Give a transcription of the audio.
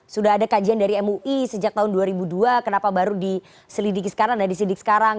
sudah ada kajian dari mui sejak tahun dua ribu dua kenapa baru diselidiki sekarang